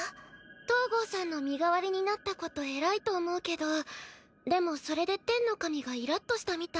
東郷さんの身代わりになったこと偉いと思うけどでもそれで天の神がイラッとしたみたい。